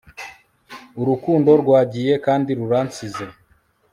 Urukundo rwagiye kandi ruransize